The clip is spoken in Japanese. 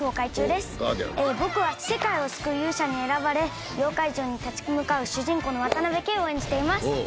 僕は世界を救う勇者に選ばれ妖怪獣に立ち向かう主人公の渡辺ケイを演じています。